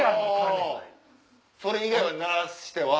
それ以外は鳴らしては。